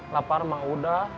lapar mah udah